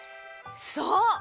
そう！